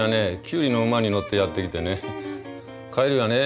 キュウリの馬に乗ってやって来てね帰りはね